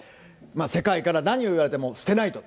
世界から何を言われても捨てないと。